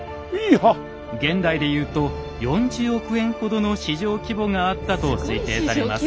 現代で言うと４０億円ほどの市場規模があったと推定されます。